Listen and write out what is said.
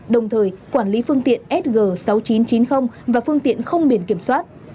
đồng thời quản lý phương tiện sg sáu nghìn chín trăm chín mươi và phương tiện không biển kiểm soát